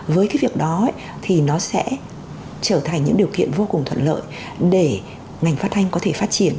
với cái việc đó thì nó sẽ trở thành những điều kiện vô cùng thuận lợi để ngành phát thanh có thể phát triển